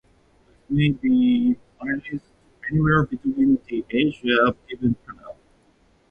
Cleats may be placed anywhere between the edges of a given panel.